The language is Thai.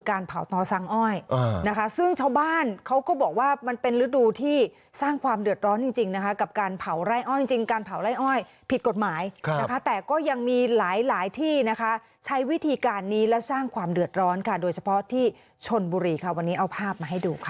ต่อสั่งอ้อยนะคะซึ่งชาวบ้านเขาก็บอกว่ามันเป็นฤดูที่สร้างความเดือดร้อนจริงนะคะกับการเผาไร่อ้อยจริงการเผาไล่อ้อยผิดกฎหมายนะคะแต่ก็ยังมีหลายหลายที่นะคะใช้วิธีการนี้และสร้างความเดือดร้อนค่ะโดยเฉพาะที่ชนบุรีค่ะวันนี้เอาภาพมาให้ดูค่ะ